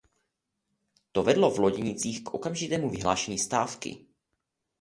To vedlo v loděnicích k okamžitému vyhlášení stávky.